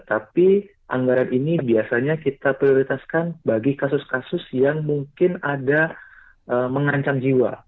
tapi anggaran ini biasanya kita prioritaskan bagi kasus kasus yang mungkin ada mengancam jiwa